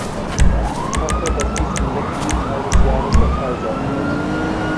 Ich hoffe, dass dies im letzten Teil des Jahres der Fall sein wird.